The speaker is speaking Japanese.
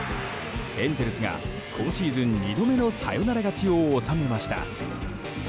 エンゼルスが今シーズン２度目のサヨナラ勝ちを収めました。